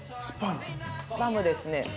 スパムですね。